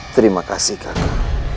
terima kasih kakak